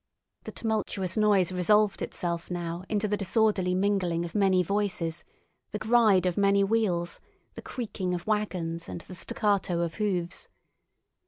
The tumultuous noise resolved itself now into the disorderly mingling of many voices, the gride of many wheels, the creaking of waggons, and the staccato of hoofs.